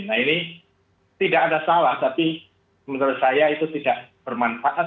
nah ini tidak ada salah tapi menurut saya itu tidak bermanfaat